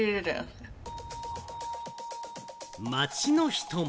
街の人も。